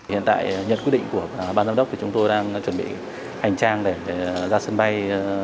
hiện tại nhận quyết định của ban giám đốc thì chúng tôi đang chuẩn bị hành trang để ra sân bay